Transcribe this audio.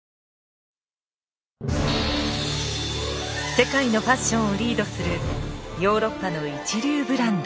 世界のファッションをリードするヨーロッパの一流ブランド。